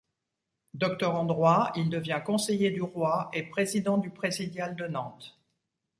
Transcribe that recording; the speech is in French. Docteur en droit, il devient conseiller du Roi et président du présidial de Nantes.